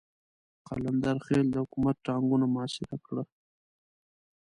قلندر خېل د حکومت ټانګونو محاصره کړ.